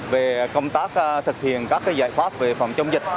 về công tác thực hiện các giải pháp về phòng chống dịch